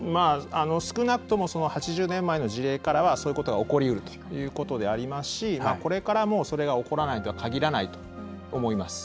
少なくともその８０年前の事例からはそういうことが起こりうるということでありますしこれからもそれが起こらないとは限らないと思います。